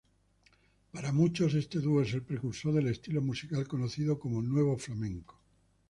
Para muchos este dúo es el precursor del estilo musical conocido como "nuevo flamenco".